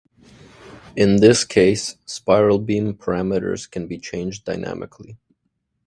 In this case spiral beam parameters can be changed dynamically.